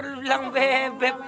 lu bilang bebeb